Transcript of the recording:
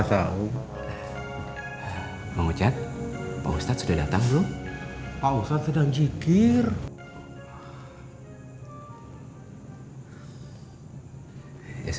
sampai jumpa di video selanjutnya